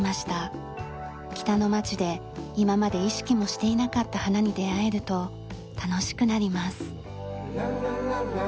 北の町で今まで意識もしていなかった花に出会えると楽しくなります。